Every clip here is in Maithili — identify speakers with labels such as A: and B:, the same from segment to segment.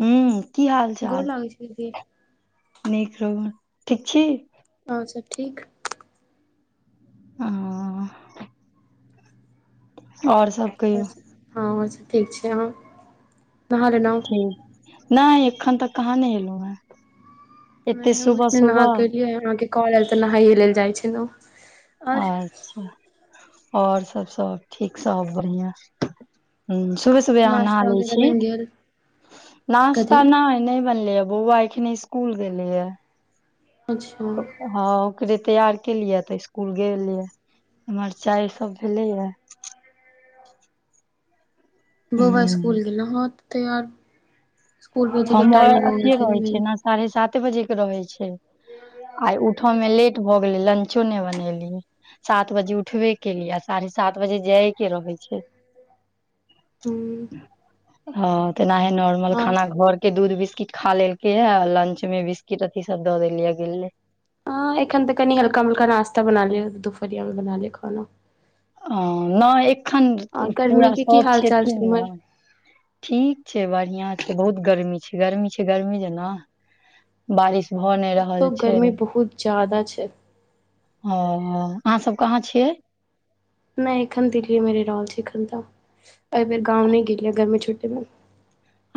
A: हूँ की हाल चाल
B: होइ छै जे
A: नीक खबर, ठीक छी?
B: और सब ठीक?
A: हां। सब कहियौ
B: हँ और ठीक छै, अहाँ के नव
A: नै एखन तक कहाँ नहेलौ हें।
B: नै हम अखने नहा के एलीयै हन अहाँ के काॅल आयल तऽ नहाइये लेल जाय छेलौ।
A: अच्छा। और सब -सब ठीक सब बढ़िया, हु सुबह त भोरे अहाँ नहा
B: नाश्ता
A: लै
B: वगैरह
A: छी,
B: बनि गेल कथी
A: नास्ता नै- नै बनलैये एखने स्कुल गेलैये।
B: अच्छा।
A: हँ ओकरे तैयार केलिये तऽ इसकूल गेलैये एमहर चाय सब भेलेैये।
B: बौआ स्कूल
A: ह
B: गेलो हे त तैयार इस्कुल भेज के टाइम भ गेलै
A: पानी साते बजे एक बेर अबै छै। आइ उठअ में लेट भऽ गेलै लंचो नैय बनेलियै। सात बजे उठबे के लिए आ साढ़े सात बजे जायके रहै छैय।
B: हूँ
A: ह तेनाहि न
B: आओर
A: खाना घर के दूध बिस्किट खा लेलकै ये, लंच में बिस्कीट अथि सब द देलियै ये।
B: हँ एखन त कनी हलकाणं-मुलका नश्ता बना लिय दूपहरिया मे बना लेब खाना
A: ह नैय एखन
B: आओर
A: पूरा
B: गर्मीके की
A: सब
B: हाल चाल छै
A: छेथिन
B: उम्हर
A: न ठीक छै बढ़िया छै, बहुत गर्मी छै, गर्मी छै गर्मी जेना बारिश भऽ नै
B: एतो गर्मी बहुत ज्यादा छैय।
A: हं अहाँ सब कहाँ छियै।
B: नै एखन दिल्ली ये मेे रै रहल छै एखन तऽ, एै बेर गाँव नै गेलियै गरमी छुट्टी मे।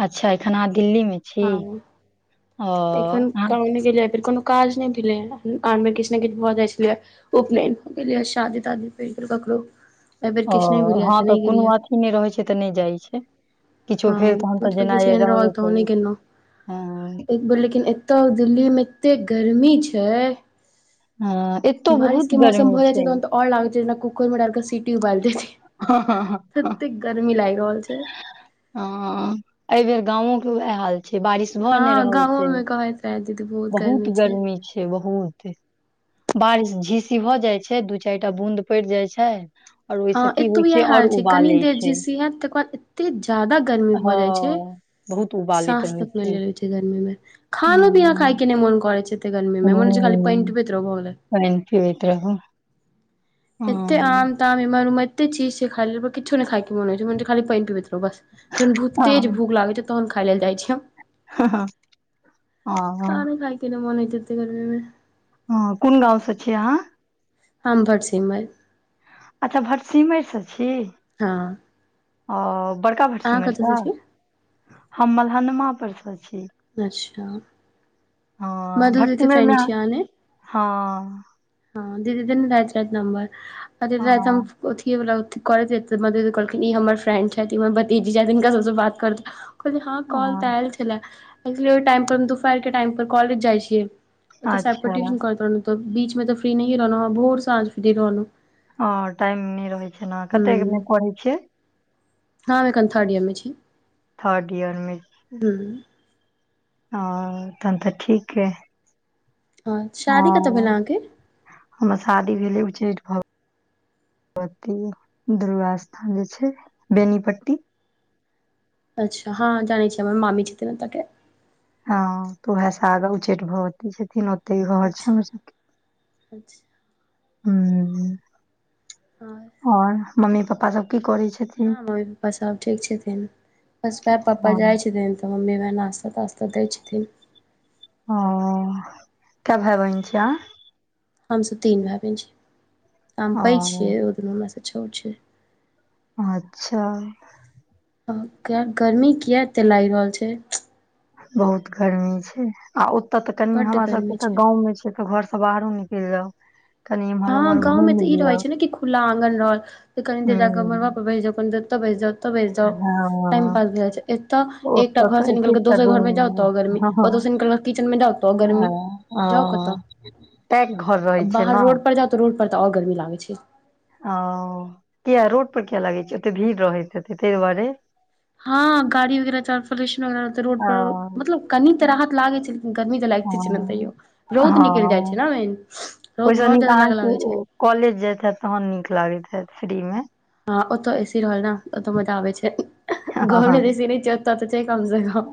A: अच्छा एखन अहाँ दिल्ली मे छी
B: हँ
A: ओ अहाँ
B: गेल फेर कोनो काज नैय भेलै आन बेर किछ नेै किछ भऽ जाय छेलै उपनयन हो गेलिय शादी- तादी पैर गेल ककरो एहि बेर किछ नैय भेलै या ते नैय गेलियै या।
A: इ नैय रहै छै तऽ नैय जाय छैय।
B: हँ मतलब कि एहेन नै रहल तऽ नैय
A: करी
B: गेलौ,
A: हँ
B: एक बेर लेकिन तब दिल्ली मे एतेक गर्मी छै।
A: हँ एतौ बहुत गर्मी छैय।
B: और लागै छैय जेना कुकर मे डैल के सिटी उबैल देतै ततेक गर्मी लागि रहल छै।
A: हँ एहि बेेर गाँंवो के वैह हाल छैय बारिश भ
B: हँ
A: नै रहल
B: गाँवो
A: छै।
B: मे कहैत रहै दीदी
A: बहुत गर्मी छै बहुत। बारिश झीसी भऽ जाय छै, दू चारि टा बूंद पैड़ जाय छै और ओहि सँ कि
B: हँ एतौ यैह हाल छै कनि देर झीसी हैत तकर बाद एते ज्यादा गर्मी
A: हँ
B: भऽ जाय छै
A: बहुत उबालैत
B: साँस
A: रहै
B: तक नै लेेल जाइ छै गर्मी मे, खानो पीना
A: हँ
B: खाय के नै मोन करै छै। एते गरमी मे, मोन होइ छै खाली पानि
A: हँ
B: पिबैत रहु भ गेलै।
A: पानि पिबैत रहु।
B: एते आम -ताम एमहर -ओमहर एते चीज छै खाय ले पर किछो नै खाय के मन होय छै खाली पैन पीबैत रहु बस, जखन बहुत तेज
A: हँ
B: भूख लागै छै तखन खाय लेल जाय छियै हम
A: हं हं।
B: केना मन होइ छै ओतेक बेर मे
A: हँ कोन गाँव सं छियै अहां
B: हम भटसिमैर।
A: अच्छा भटसिमरि सँ छी?
B: हँ।
A: ओ बड़का
B: अहाँ
A: भटसिमरि
B: कतऽ सँ
A: सं
B: छी
A: हम मलहनमा पर सँ छी।
B: अच्छा,
A: हँ
B: मधु जी के
A: भटसिमैर मे
B: फ्रेंड छियै अहां ने?
A: हँ।
B: हँ दीदी देने रहैत नंबर अ दीदी राति हम
A: हँ
B: ओथिए वला कर म कहलखिन ई हमर फ्रेंड छथि हमर भतीजी छथि हिनका सबसँ बात कर तु कहलियै हँ कॉल तऽ आयल छलै, ओहि टाइम पर हम दुपहर के टाइम पर, कॉलेज जाइ छियै। ओतऽ सबके
A: अच्छा
B: ट्यूशन करैत रहलहुँ, तऽ बीचमे तऽ फ्री नहि रहलहुँ, भोर स आज फ्री रहलहुँ।
A: ह टाइम नहि रहै छै, ने कते पढ़ै छियै।
B: हँ एखन थर्ड ईयर मे छी।
A: थर्ड ईयरमे।
B: हूँ।
A: ह तहन तऽ ठीक है
B: हँ शादी कतऽ भेल
A: हॅं।
B: अहाँके
A: हमर शादी भेले उच्चैठ भाव। भगवती दुर्गा स्थान जे छै बेनीपट्टी।
B: अच्छा हँ जानै छी, हमर मामी छथिन ओत के।
A: हँ तऽ उएहस आगा उचैठ भगवती छथिन। त ई कह छै,
B: अच्छा
A: हमर सबके
B: अच्छा
A: हू।
B: हँ
A: आओर मम्मी पापा सब की करै छथिन।
B: हँ मम्मी पापा सब ठीक छथिन, बस प पापा
A: हँ
B: जाइ छथिन। तऽ मम्मीमे नास्ता तास्ता दै छथिन।
A: हं कै भाई-बहिन छियै अहां।
B: हमसब तीन भाईबहिन छी, हमपैघ छियै ओ दुनू हमरँ छोट छै।
A: अच्छा।
B: गर्मी किया एते लागि रहल छै।
A: बहुत गर्मी छै, आ ओते तऽ कनि
B: बड्ड
A: हमरा
B: गर्मी
A: सबके त
B: छै
A: गाँव में छै। तऽ घर से बाहरो निकलि जाऊ।
B: हँ गाँवं तऽ ई रहै छै ने कि। खुला आंगन रहल त कनी देर जाके मड़बा
A: हूँ
B: पर बैस जाऊ कनि देर एत बैस जाऊ। तऽ बे जाउ टाइम
A: हँ
B: पास भऽ जा छै। एतऽ एकटा
A: ओतऽ
B: घर
A: तऽ
B: से निकल क
A: एकेटा
B: दोसर घर मे
A: रूम
B: जातो गर्मी,
A: हँ हँ
B: ओतोस निकल क किचन में जातो
A: हँ,
B: गर्मी।
A: ओ
B: जाउ कतऽ
A: तै घर रहै छै
B: बाहर
A: ने।
B: रोड पर जाउ तऽ रोड पर तऽ आर गर्मी लागै छै।
A: ओ किया रोड पर किया लागै छै ओते भीड़ रहैत छैे ताहि दुआरे।
B: हँ गाड़ी वगैरह चोलन वग रहै, रोड
A: ओ
B: पर मतलब कनी तऽ राहत लागे छै। गर्मी तऽ लागिते छै ने तैयो, रौद निकलि जाइ छै ने। रौद
A: ओहिस
B: मे आओर
A: नीक
B: जादा लागऽ लागै छै
A: अहाँके कॉलेज जात हत तहन नीक लागैत हत फ्री में।
B: हँ ओतऽ एसी रहल ने ओतऽ मजा आबै छै।
A: हँ
B: घर
A: हँ
B: मे जैसे नहि छै ओत तऽ छै, कम से कम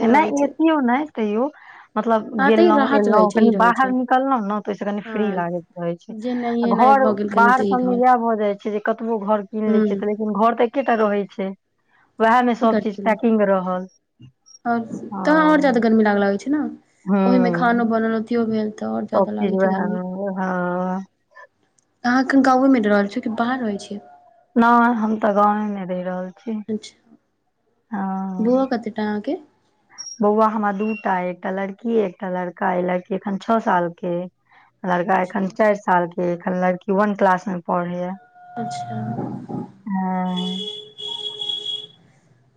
B: से रहै छै।
A: किओ नहि। तैयो मतलब
B: हँ तऽ ई
A: गों
B: राहत रहै
A: एलो
B: छै ई
A: कनि
B: रहै
A: बाहर
B: छै
A: निकललों ने तऽ ओहिस कनी
B: हँ
A: फ्री लागैत रह।
B: जे नहिये एनाइ
A: घर
B: भऽ गेल कनि
A: बाहर
B: तऽ ई
A: सबमे
B: रहल
A: इएह भऽ जाइ छै, जे कतबो घर कीन लै
B: हूँ
A: छियैन। घर तऽ एकटा रहै छै। वएह में
B: की
A: सब चीज
B: करतै लोक
A: पैकिंग रहल।
B: आओर तहाँ आओर जादा
A: हँ
B: गर्मी लागय लागै छै ने। ओहिमें खानो
A: हूँ
B: बनल अथियो भेल तऽ और
A: सब
B: ज्यादा
A: चीज
B: लागै छै
A: वएह मे
B: गर्मी।
A: हँ
B: अहाँ एखन गाँवे में रहल छियै कि बाहर रहै छियै।
A: नहि हम तऽ गाँवे में रैह रहल छी हँ।
B: कत्ते टा अहाँ के।
A: बौआ हमरा दूटा अय एकटा लड़की अय एकटा लड़का अय लड़की एखन छ साल के अय। लड़का
B: अच्छा
A: एखन चाइर साल के अय एखन लड़की वन क्लास में पढ़ैया।
B: अच्छा।
A: हँ।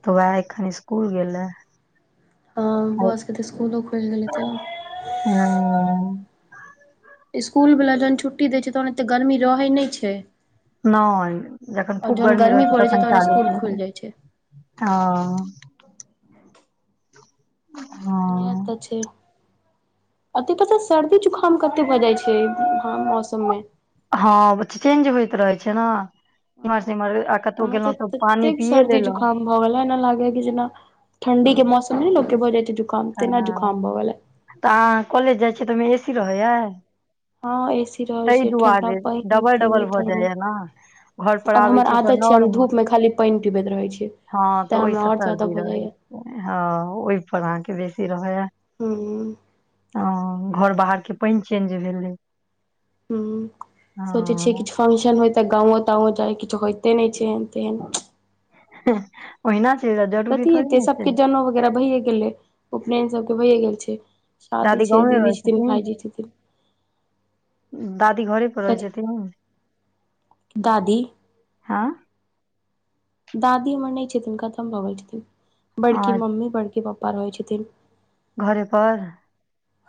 A: तऽ वएह एखन स्कूल गेलए।
B: हँ बौआ सबके तऽ स्कुलो खुइल गेल हेतै न। स्कूल वला जहन छुट्टी दै छै तहन एते गर्मी रहै नै छै।
A: नै जखन
B: आओर
A: खूब
B: जहन
A: गर्मी रहै छै
B: पड़ै
A: तखन
B: तहन
A: चालू
B: स्कूल
A: कऽ
B: खुलि जाइ छै
A: देत। हँ, हँ।
B: इहे तऽ छै। अते पता सर्दी-जुखाम कते भऽ जाइ छै हँ मौसम में।
A: हँ बछ चेंज होइत रहै छै न इम्हर से इम्हर आ कतौ
B: हमरा
A: गेलौं तऽ पानी
B: ततेक
A: पिए
B: सर्दी
A: लेलौं।
B: जुकाम भऽ गेलै एना लागे कि जेना ठंडी के मौसम में नै लोक के भऽ जाइ छै जु
A: हँ तऽ आहाँ कॉलेज जाय छियै तऽ ओय में ए सी रहै या।
B: हँ ए सी रहै छै ठंडा पइन
A: डबल डबल
B: किनैत
A: भऽ
B: रहलौ।
A: जाइया ने घर पर
B: और
A: आबै
B: हमर
A: तऽ
B: आदत छै हम धूप
A: नॉर्मल
B: में खाली पइन पीबैत रहै छीयै।
A: हँ तऽ ओय सँ सर्दी रहै हँ ओय पर आहाँके बेसी रहै है
B: हूँ
A: हँ। घर-बाहर के पइन चेंज भेलै।
B: हूँ सोचै छियै कि
A: हँ
B: छु फंक्शन होय तऽ गाँंवो-ताँवो जाय किछ होइते नै छै एहेन-तेहेन।
A: हँ ओहिना चइल जाऊ जौ
B: कथी हेतै सबके जेनऊ वगैरह भैए गेलै उपनयन सबके भैए गेल छै। शादी
A: दादी
B: छै
A: गाँवे
B: दीदी
A: रहै
B: छथिन भाइजी छथिन।
A: दादी घरे पर रहै
B: कथी
A: छथिन आँय?
B: दादी दादी हमर नै छथिन खतम भऽ गेल छथिन
A: आ
B: बड़की मम्मी बड़के पप्पा रहै छथिन।
A: घरे पर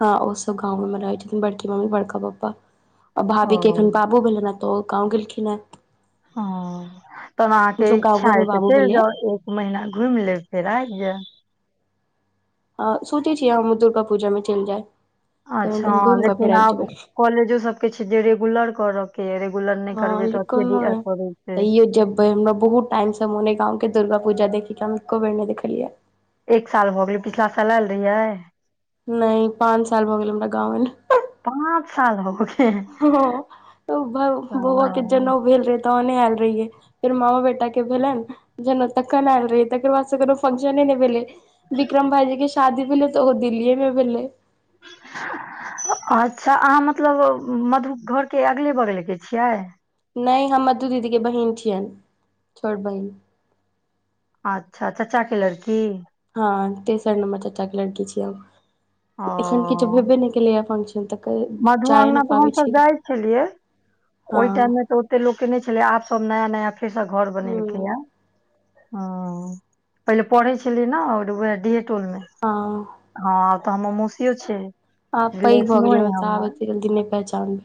B: हँ ओ सब गाँवे में रहै छथिन बड़की मम्मी बड़का पप्पा आ
A: ओ
B: भाभी के एखन बाबू भेलैन हैं। तऽ ओ गाँव गेलखिन हैं।
A: हँ तहन आहाँके
B: मतलब
A: इच्छा
B: गाँवे मे
A: अइ तऽ
B: बाबू
A: चइल
B: भेलै
A: जाउ ए इ महिना घुइम लेब फेर आइब जेएब।
B: अ सोचै छियै हमहुँ दुर्गा पूजा में चइल जाय। कनि
A: अच्छा
B: दिन घुमि कऽ फेर
A: लेकिन
B: आबि
A: आब
B: जेबै
A: कॉलेजो सब के छै जे रेगुलर करऽ के अइ रेगुलर नै करबै तऽ अथिये
B: कोनो
A: दिअ
B: नै
A: पड़ै छै
B: तयौ जेब बै हमरा बहुत टाइम सँ मोन अइ गाँव के दुर्गा पूजा देखेै के हम एको बेर नै देखलियै येए।
A: एक साल भऽ गेलै पिछला साल ऐल रहियै।
B: नै पाँन साल भऽ गेल हमरा गाँव एला।
A: पाँच साल हो गेल
B: हँ तऽ भौ बौआ के
A: ओ,
B: जनउ भेल रहै। तहने एल रहियै फेर मामा बेटा के भेलैन। जनउ तखन एल रहीयै तकर बाद स कोनो फंशने नै भेलै। बिक्रम भाईजी के शादी भेलै तऽ ओहो दिल्लए में भेलै।
A: अच्छा आहाँ मतलब मधु घर के अगले-बगले के छियै।
B: नै हम मधु दीदी केर बहिन छियैन छोट बहिन।
A: अच्छा चाचा के लड़की।
B: हँ तेसर नम्बर चचा के लड़की छीयै
A: ओ
B: हम। एखन किछो भेबे नै केलै या अपन हम तऽ कहिं
A: मधु
B: जाय
A: अंगना
B: नै पाबै छी। हँ
A: ओय टाइम मे तऽ ओते लोक के नै छेलै आब सब नया नया फेर सऽ घर
B: हूँ
A: बनेलकैया। हॅं पहिले पड़यै छेलियै ने आओर ओहि डेट टोल मे हँ तऽ हमर मौसियो छै।
B: आब पैघ भऽ
A: रिलेशनो अइ
B: गेले तऽ आब
A: हमर
B: एते जल्दी नै पहँचान बै।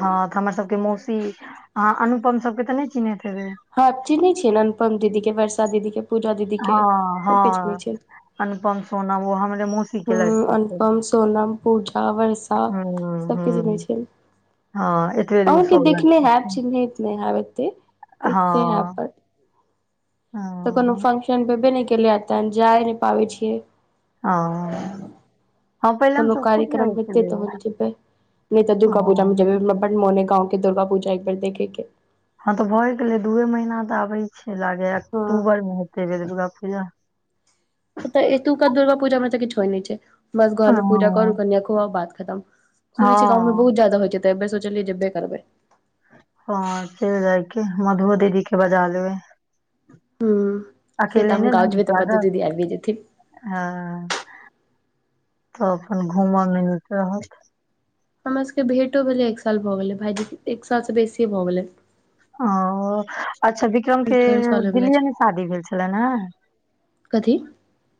A: हँ तऽ हमर सबके मौसी आहाँ अनुपम सबके तऽ नै चिन्हैत हेबै।
B: हँ चिन्हैय छियै ने अनुपम दीदी के वर्षा दीदी के पूजा दीदी के
A: हँ
B: सबकऽ चिन्हैय
A: हँ
B: छैयै।
A: अनुपम सोनम ओ हमरे मौसी के
B: हॅं
A: लड़की छै
B: अनुपम, सोनम, पूजा, वर्ष तऽ
A: हूँ
B: सबके चिन्है
A: हूँ
B: छियै।
A: हँ ऐ
B: आहाँके देखने हैब चिन्हैत नै हेब एते देखने
A: हँ
B: हेब पर
A: हँ।
B: तऽ कोनो फंशन भेबे नै केलेै हें तहन जाय नै पाबै छियै।
A: आं
B: कोनो कार्यक्रम हेतेै
A: छलियै
B: तहन जेबै। नैय तऽ दुर्गा पूजामे
A: हँ
B: जेबै हमरा बड मोन हय गाँव के दुर्गा पूजा एक बेर देखैके।
A: हँ तऽ भए गेलै दूए महीना तऽ आबै छै लागैय
B: हँ
A: अक्टूबरमे हेतै दुर्गा पूजा।
B: तऽ एतुका दुर्गा पूजा मे तऽ किछु होय नै छै बस घर
A: हँ
B: मे पूजा करू कन्या खुवाउ बात खतम। सुन छियै गाॅंवमे बहुत
A: हँ
B: जादा होय छै तऽ एहि बेर सोचलियै जेबे करबै।
A: हँ चैल एब की मधुओ दीदी के बजा लेबै।
B: हूँ से
A: अकेले
B: तऽ हम
A: नै ने
B: गाँव जेबै
A: नीक
B: तऽ मधु
A: लागत।
B: दीदी आबिये जेथिन
A: हँ तऽ अपन घूमऽ मे नीक रहत।
B: हमर सबके भेॅंटो भेलै एक साल भऽ गेलै भाईजी एक साल से बेसी भए गेलै।
A: ओ अच्छा विक क्रम के
B: डेढ़ साल होइवला
A: दिल्लीए
B: छै
A: मे शादी भेल छेलैन हें।
B: कथी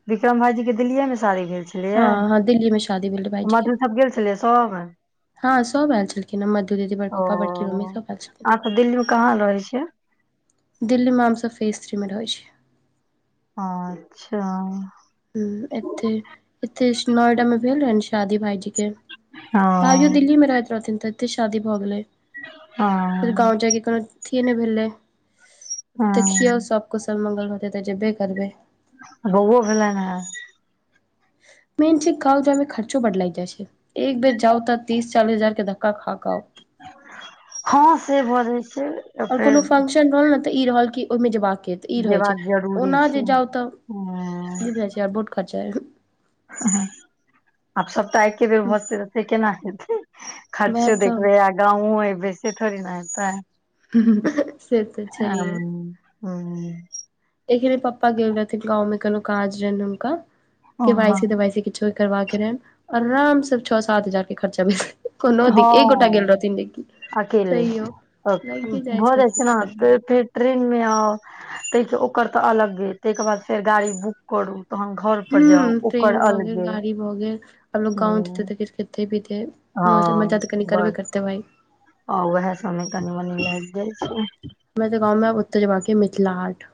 A: बिक्रम भाईजी के दिल्लीए मे शादी भेल छेलैये
B: हँ हँ दिल्ली मे शादी भेल रहै भायजी के
A: मधु सब गेल छेलैये। तब
B: हँ सब अल छेलखिन मधु दीदी, बड़का पप्पा बड़की मम्मी सब एल छेलखिन।
A: दिल्लीमे कहाँ रहै छियै।
B: दिल्लीमे हमसब फिथ्रीमे रहै छीयै।
A: अच्छा
B: हूँ एते- एते नोएडा मेॅं भेल रहैन शादी भाईजी के भायजीयो
A: हँ
B: दिल्ली मे रहैत रहथिन तऽ एते शादी भऽ गेलै। फेर
A: हँ
B: गाँव जायके कोनो अथिए नै भेलै देखियौ
A: हँ
B: सब कुशल मंगल होतै तऽ जेबे करबै।
A: बौओ भेलैन हें।
B: मेन छै गाँव जायमे खर्चो बड लागी जाइ छै। एक बेर जाउ तऽ तीस चालीस हजार के धक्का खाकऽ आउ।
A: हँ से भऽ जाइ छै। तऽ
B: आऔर कोनो
A: फेर
B: फंशन भेल ने तऽ ई रहल कि ओहिमे जेबाक यै। तऽ ई रहै छै
A: जेबाक जरूरी
B: ओना जे
A: छै
B: जाउ तऽ
A: हँ
B: नै बुझैय छियै बड खर्चायऽ।
A: हँ-हँ आब सब तऽ एके बेर भऽ जेतय तऽ केना हेतै।
B: वएह
A: खर्चो
B: तऽ
A: देखबे आ गाँंवो ऐबय से थोड़ी नऽ हैतै।
B: से तऽ
A: हँ
B: छैहे
A: हूँ।
B: एखने पप्पा गेल रहथिन गांव मे, कोनो काज रहैन हुनका, के वाइ सी, ते वाइ सी, किछो करबा के रहैन, आराम स छो सात हजार के खर्चा भेलैन। कोनोदी ई, एक
A: हँ
B: गोटा गेल रहथिन, लेकिन।
A: अकेले,
B: तैयो
A: अखन
B: लागे
A: भऽ जाइ
B: कतबो
A: छै न,
B: की करतै
A: देर
B: लोक
A: तेर। ट्रेन मे आउ, तय सँ ओकर तऽ अलगे, तइ के बाद फेर गाड़ी बुक करू, तहन घर पर जाउ,
B: हूं
A: ओकर
B: ट्रेन भऽ गेल
A: अलगे।
B: गाड़ी भऽ गेल, आब लोक गाँव जेतै,
A: ह
B: तऽ किछ खेतै, पितै, म, मजा तऽ कनि करबे करतै भाइ।
A: आ, उएह सबमे कनी मनी भ जाइ छै।
B: हमरा तऽ गाँवमे ओत जेबाक या, मिथिला हाट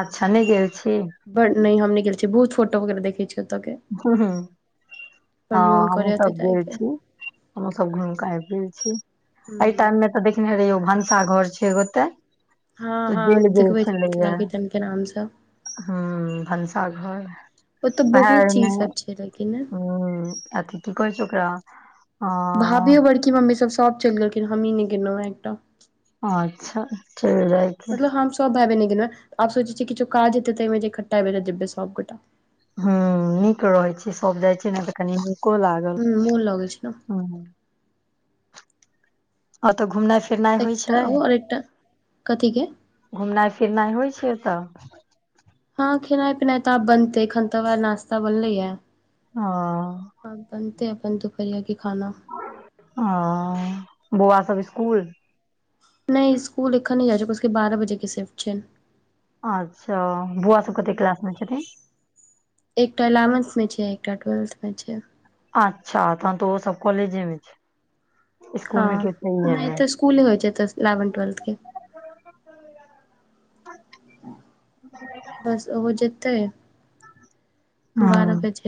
A: अच्छा, नइ गेल छी?
B: बर नय, हम नय गेल छि, बहुत फोटो वगैरह देखे छी।
A: ह, ह, हँ,
B: बड मोन
A: हमहुँ
B: करैये तऽ
A: सब गेल
B: जायके
A: छी, हमहु सब घुमय कऽ आइब गेल छी।
B: हु।
A: ओइ टाइम मे तऽ देखने रहियो, भनसा घर छै ओतै।
B: हँ, हँ, देखबे छै, मिथिला किचन के नाम सँब।
A: हु, भनसाघर,
B: ओतऽ
A: वेहा।
B: बहुत चीज
A: नय
B: सब छै लेकिन ने
A: न, अथि की कहै छै ओकरा? अ
B: भाभियो, बड़की मम्मी, सब सभ चैल गेलखिन, हमही ने गेलहुँ हँ एकटा।
A: अच्छा, चैल जैब
B: मतलब, हम सब भाइ बहिन नै गेलहुं हें, आब सोचै छियै, किछो काज हेते, तहिमे इकठ्ठा जेबै सबगोटा।
A: हँ, नीक रहै छै, सब जाइ छै ने, तऽ कनी नीको लागल,
B: हूँ मोन लगै छै ने
A: ह। आब तऽ, घुमनाइ फिर
B: एकटा ओ, और एकटा कथीके
A: घुमनाइ, फिरनाइ, होइ छै ओतऽ?
B: हँ, खेनाइ पिनाइ तऽ आब बनतेै, अखन तऽ नाश्ता बनलै या।
A: हँ।
B: आब बनतेै, अपन दुपहरिया के खाना।
A: अं, बौआ सब स्कूल?
B: नइ स्कूल एखन नहि जाय छै, ओकर सबके बारह बजे के शिफ्ट छै।
A: अच्छा, बुआ सब कते क्लास मे छथिन?
B: एकटा इलेवंथ मे छै, एकटा ट्वेल्थ में छै।
A: अच्छा, तहन तो ओसब कॉलेजेमे छैथ।
B: हँ, नय, एतऽ स्कूले होइ छैऽ, इलेवेंथ -ट्वेल्थ के। बस ओहो जेतै। बारह
A: ह
B: बजे।